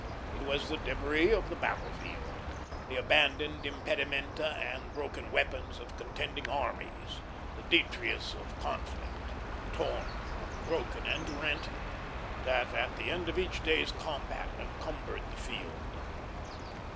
It was the debris of the battle field, the abandoned impedimenta and broken weapons of contending armies, the detritus of conflict, torn, broken, and rent, that at the end of each day's combat encumbered the field.